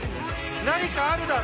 「何かあるだろ。